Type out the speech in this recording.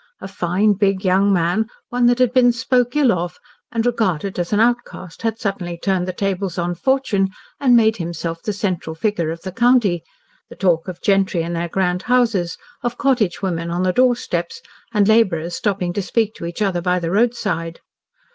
A fine, big young man, one that had been "spoke ill of" and regarded as an outcast, had suddenly turned the tables on fortune and made himself the central figure of the county, the talk of gentry in their grand houses, of cottage women on their doorsteps, and labourers stopping to speak to each other by the roadside.